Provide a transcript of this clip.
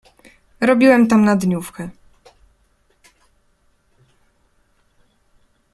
"Robiłem tam na dniówkę."